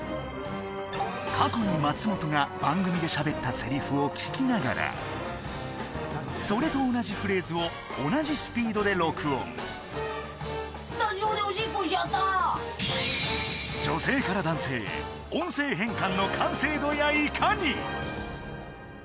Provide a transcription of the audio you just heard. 過去に松本が番組で喋ったセリフを聞きながらそれと同じフレーズを同じスピードで録音スタジオでおしっこしちゃった女性から男性へ音声変換の完成度やいかに！